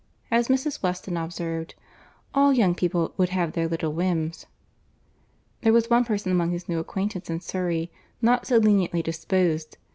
As Mrs. Weston observed, "all young people would have their little whims." There was one person among his new acquaintance in Surry, not so leniently disposed.